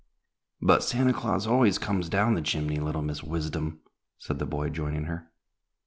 "But Santa Claus always comes down the chimney, little Miss Wisdom," said the boy, joining her.